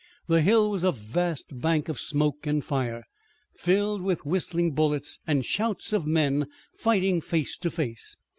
The hill was a vast bank of smoke and fire, filled with whistling bullets and shouts of men fighting face to face.